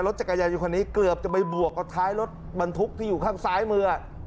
จักรยานยนคนนี้เกือบจะไปบวกกับท้ายรถบรรทุกที่อยู่ข้างซ้ายมือ